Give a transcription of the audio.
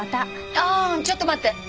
ああちょっと待って。